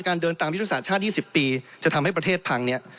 เดินตามยุทธศาสตร์ชาติ๒๐ปีจะทำให้ประเทศพังเนี่ย